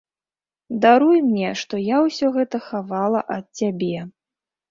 Даруй мне, што я ўсё гэта хавала ад цябе.